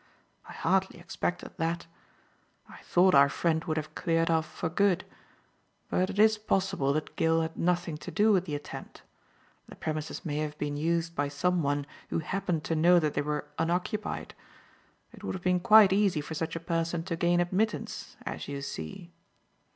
I hardly expected that. I thought our friend would have cleared off for good. But it is possible that Gill had nothing to do with the attempt. The premises may have been used by someone who happened to know that they were unoccupied. It would have been quite easy for such a person to gain admittance; as you see."